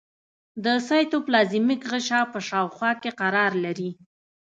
د سایتوپلازمیک غشا په شاوخوا کې قرار لري.